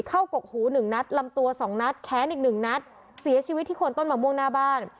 กกหูหนึ่งนัดลำตัวสองนัดแค้นอีกหนึ่งนัดเสียชีวิตที่คนต้นมะม่วงหน้าบ้าน